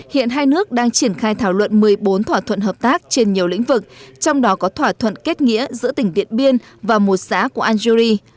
hiện hai nước đang triển khai thảo luận một mươi bốn thỏa thuận hợp tác trên nhiều lĩnh vực trong đó có thỏa thuận kết nghĩa giữa tỉnh điện biên và một xã của algeri